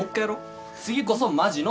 次こそマジの３万。